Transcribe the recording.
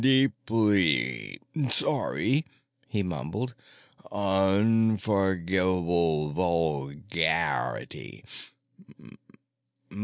"'m deeply sorry," he mumbled. "Unf'rgivable vulgararrity.